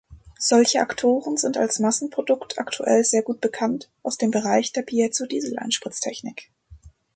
Solche Aktoren sind als Massenprodukt aktuell sehr gut bekannt aus dem Bereich der Piezo-Dieseleinspritztechnik.